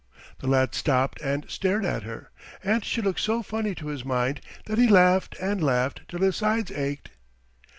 The lad stopped and stared at her, and she looked so funny to his mind that he laughed and laughed till his sides ached.